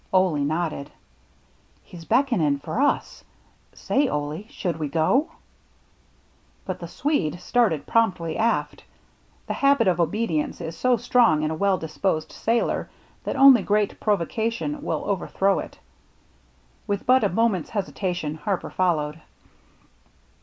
Ole nodded. " He's beckonin' for us — say, Ole, shall we go ?" But the Swede started promptly aft. The habit of obedience is so strong in a well dis posed sailor that only great provocation will overthrow it. With but a moment's hesita tion. Harper followed.